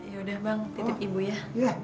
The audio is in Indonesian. ya udah bang titip ibu ya